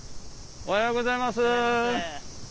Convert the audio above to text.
おはようございます。